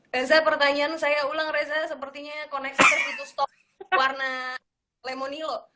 reza pertanyaan saya ulang reza sepertinya koneksi tertutup stop warna lemonilo